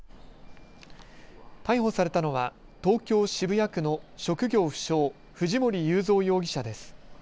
逮捕されたのは東京渋谷区の職業不詳、藤森友三容疑者です。